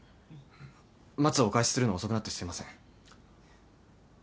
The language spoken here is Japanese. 松をおかえしするの遅くなってすいません。